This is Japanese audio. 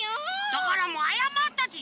だからもうあやまったでしょ！